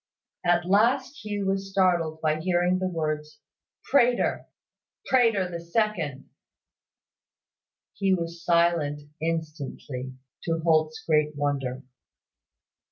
At last Hugh was startled by hearing the words "Prater", "Prater the second." He was silent instantly, to Holt's great wonder.